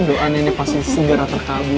doa ini pasti segera terkabul